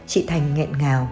chị thành nghe